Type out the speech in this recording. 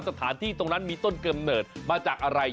สถานที่ตรงนั้นมีต้นกำเนิดมาจากอะไร